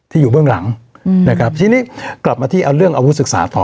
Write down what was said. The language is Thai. อยู่เบื้องหลังนะครับทีนี้กลับมาที่เอาเรื่องอาวุศึกษาต่อ